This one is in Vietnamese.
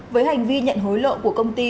với hành vi nhận hối lộ của công ty